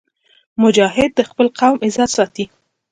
مجاهد د خپل قوم عزت ساتي.